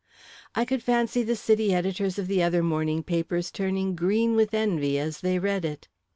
I could fancy the city editors of the other morning papers turning green with envy as they read it.